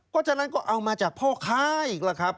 ก็ฉะนั้นก็เอามาจากพ่อค้าอีกหรอกครับ